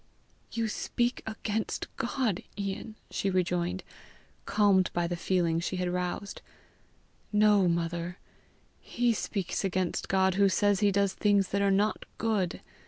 "You speak against God, Ian," she rejoined, calmed by the feeling she had roused. "No, mother. He speaks against God who says he does things that are not good.